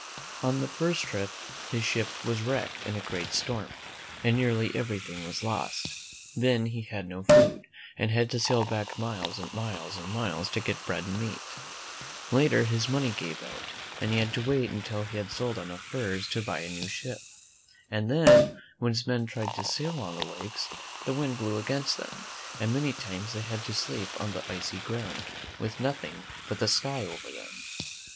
On the first trip his ship was wrecked in a great storm and nearly everything was lost. Then he had no food, and had to sail back miles and miles and unmiMt rm. ''^^■■/'.<■: r«V !!))'■■ 150 THE FRIENDS OF THE INDIANS m ^(W'r? .■^: .^i>K:W2J»;?K:2^J!fei^^ miles to get bread and meat. Later, his money gave out, and he had to wait until he had sold enough furs to buy a new ship. And then, when his men tried to sail on the lakes, the wind blew against them, and many times they had to sleep on the icy ground, with nothing but the sky over them.